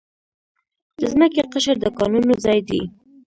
د ځمکې قشر د کانونو ځای دی.